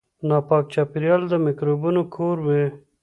ناپاک چاپیریال د میکروبونو کور وي.